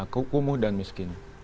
kehukumuh dan miskin